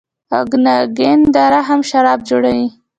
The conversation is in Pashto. اوکاناګن دره هم شراب جوړوي.